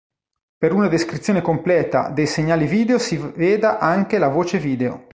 Per una descrizione completa dei segnali video si veda anche la voce video.